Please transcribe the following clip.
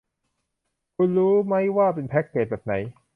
คุณรู้มั้ยว่าเป็นแพ็คเกจแบบไหน